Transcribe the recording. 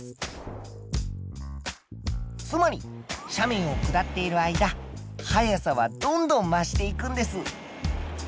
つまり斜面を下っている間速さはどんどん増していくんです。